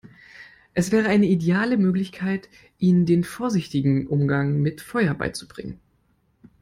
Es wäre eine ideale Möglichkeit, ihnen den vorsichtigen Umgang mit Feuer beizubringen.